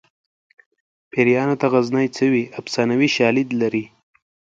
پیریانو ته غزني څه وي افسانوي شالید لري